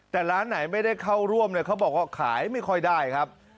แต่ร้านไหนไม่ได้เข้าร่วมเขาบอกว่าขายไม่ค่อยได้ครับ